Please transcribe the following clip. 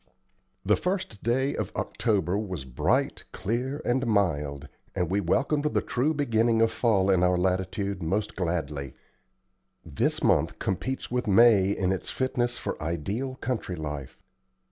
The 1st day of October was bright, clear, and mild, and we welcomed the true beginning of fall in our latitude most gladly. This month competes with May in its fitness for ideal country life.